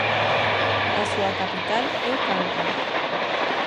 A súa capital é Kankan.